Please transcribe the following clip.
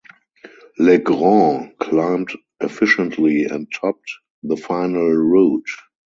Legrand climbed efficiently and topped the final route.